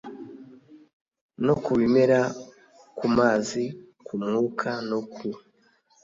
no ku bimera ku mazi ku mwuka no ku